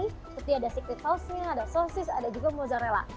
seperti ada secret sauce nya ada sosis ada juga mozzarella